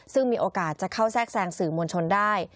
ซึ่งมีโอกาสจะเข้าแทรกแซงสื่อมวลชนได้